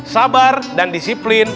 sabar dan disiplin